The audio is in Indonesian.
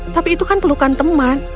tapi itu kan pelukan teman